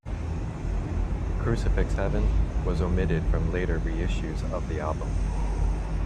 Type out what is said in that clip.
"Crucifix Heaven" was omitted from later reissues of the album.